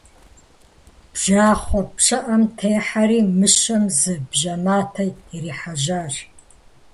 Бжьахъуэ пщыӏэм техьэри, мыщэм зы бжьэматэ ирихьэжьащ.